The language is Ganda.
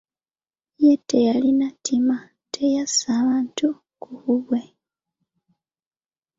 Ye teyalina ttima, teyassa bantu ku bubwe.